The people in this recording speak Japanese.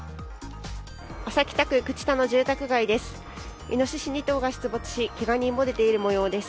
安佐北区口田の住宅街です。